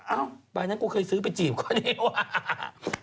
อ้าวใบนั้นกูเคยซื้อไปจีบกว่าเดียว